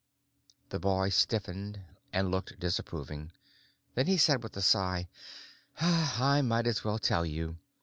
The boy stiffened and looked disapproving. Then he said with a sigh: "I might as well tell you.